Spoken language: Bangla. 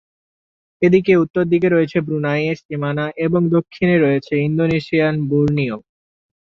এর উত্তর দিকে রয়েছে ব্রুনাই এর সীমানা এবং দক্ষিণে রয়েছে ইন্দোনেশিয়ান বোর্নিও।